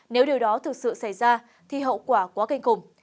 nếu điều đó thực sự xảy ra thì hậu quả quá kinh khủng